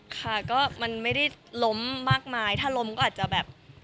ค่ะก็มันไม่ได้ล้มมากมายถ้าล้มก็อาจจะแบบ